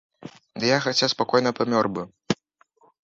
Ды я хаця спакойна памёр бы.